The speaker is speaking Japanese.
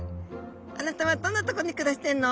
あなたはどんなとこに暮らしてんの？